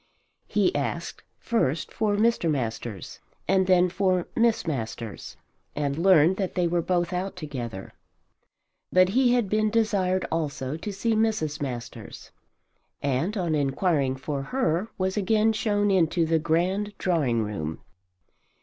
He asked first for Mr. Masters and then for Miss Masters, and learned that they were both out together. But he had been desired also to see Mrs. Masters, and on inquiring for her was again shown into the grand drawing room.